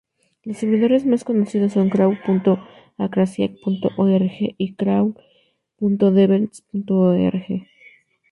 Los servidores más conocidos son crawl.akrasiac.org y crawl.develz.org.